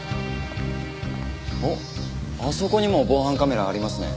おっあそこにも防犯カメラありますね。